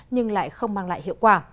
nhưng lại không mang lại hiệu quả